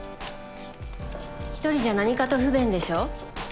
１人じゃ何かと不便でしょ？